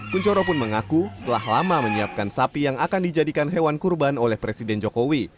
kuncoro pun mengaku telah lama menyiapkan sapi yang akan dijadikan hewan kurban oleh presiden jokowi